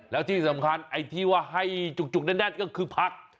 แล้วที่สำคัญไอ้ที่ว่าให้จุกแน่นก็คือพัก